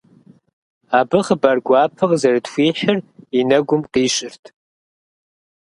Абы хъыбар гуапэ къызэрытхуихьыр и нэгум къищырт.